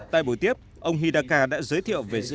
tại buổi tiếp ông hidaka đã giới thiệu về dự án